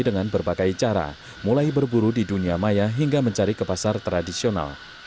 dengan berbagai cara mulai berburu di dunia maya hingga mencari ke pasar tradisional